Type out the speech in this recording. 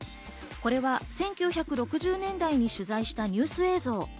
これは１９６０年代に取材したニュース映像。